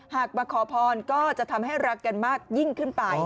มาขอพรก็จะทำให้รักกันมากยิ่งขึ้นไป